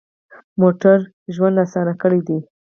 موټر ژوند اسان کړی دی.